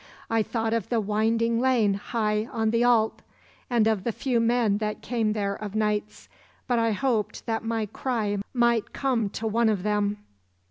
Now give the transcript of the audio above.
I thought of the winding lane high on the Allt, and of the few men that came there of nights; but I hoped that my cry might come to one of them.